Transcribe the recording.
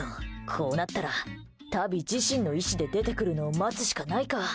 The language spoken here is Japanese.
こうなったらタビ自身の意志で出てくるのを待つしかないか。